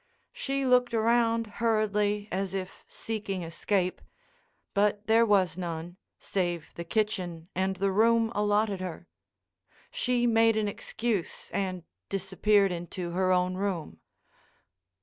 She looked around hurriedly as if seeking escape. But there was none, save the kitchen and the room allotted her. She made an excuse and disappeared into her own room.